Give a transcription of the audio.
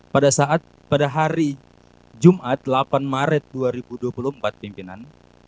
pada saat pada hari jumat delapan maret dua ribu dua puluh empat pimpinan